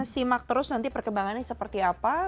simak terus nanti perkembangannya seperti apa